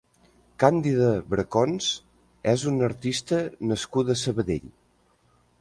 Càndida Bracons és una artista nascuda a Sabadell.